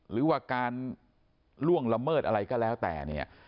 หรือว่าการล่วงละเมิดอะไรก็แล้วแต่เนี่ย